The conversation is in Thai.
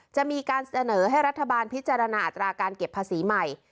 จะมีการเสนอให้รัฐบาลพิจารณาอัตราการเก็บภาษีใหม่